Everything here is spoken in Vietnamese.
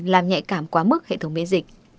làm nhạy cảm quá mức hệ thống miễn dịch